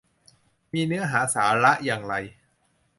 มีเนื้อหาสาระอย่างไร ?